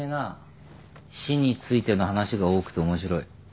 死についての話が多くて面白い。